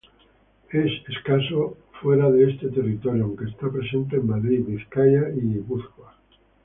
Es escaso fuera de este territorio aunque está presente en Madrid, Vizcaya y Guipúzcoa.